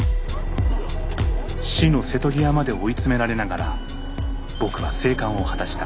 死の瀬戸際まで追い詰められながら僕は生還を果たした。